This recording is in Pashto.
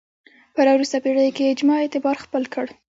په راوروسته پېړیو کې اجماع اعتبار خپل کړ